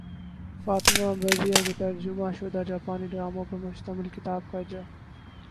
فاطمہ بجیا کے ترجمہ شدہ جاپانی ڈراموں پر مشتمل کتاب کا اجراء